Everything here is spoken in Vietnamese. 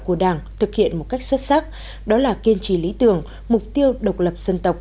của đảng thực hiện một cách xuất sắc đó là kiên trì lý tưởng mục tiêu độc lập dân tộc